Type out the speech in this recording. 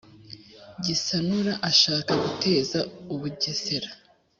gisanura ashaka guteza u bugesera ;